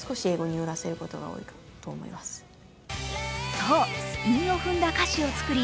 そう、韻を踏んだ歌詞を作り